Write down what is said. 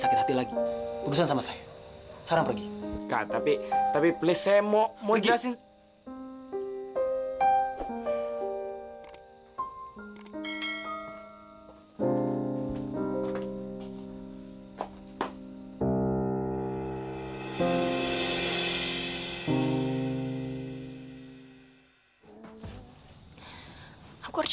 karena menurut aku